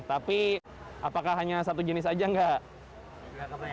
tapi apakah hanya satu jenis aja enggak